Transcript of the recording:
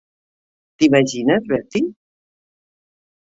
T'imagines, Bertie?